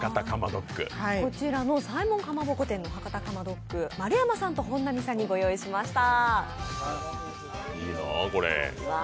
こちらの西門蒲鉾本店の博多かまドック、丸山さんと、本並さんにご用意いたしました。